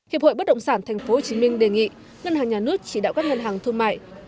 hiệp hội bất động sản tp hcm đề nghị ngân hàng nhà nước chỉ đạo các ngân hàng thương mại